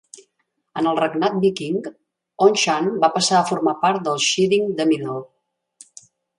En el regnat viking, Onchan va passar a formar part del sheading de Middle.